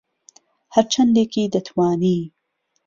ههر چهندێکی دهتوانی